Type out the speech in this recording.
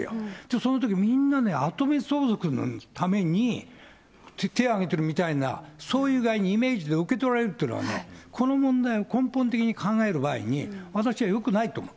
そのとき、みんな跡目相続のために、手挙げてるみたいな、そういうイメージで受け取られるみたいに、この問題を根本的に考える場合に、私はよくないと思う。